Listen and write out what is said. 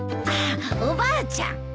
あっおばあちゃん。